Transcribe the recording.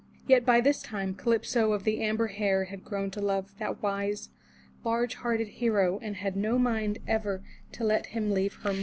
Yet by this time Calypso of the amber hair had grown to love that wise, large hearted hero, and had no mind ever to let him leave her more.